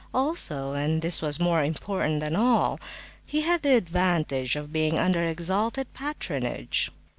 Also—and this was more important than all—he had the advantage of being under exalted patronage.